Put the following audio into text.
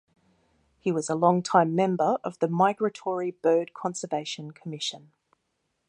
He was a longtime member of the Migratory Bird Conservation Commission.